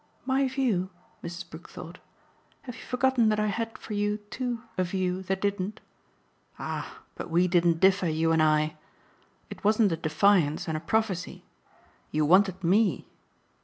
"My view?" Mrs. Brook thought. "Have you forgotten that I had for you too a view that didn't?" "Ah but we didn't differ, you and I. It wasn't a defiance and a prophecy. You wanted ME."